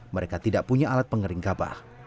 mereka tidak punya alat pengering gabah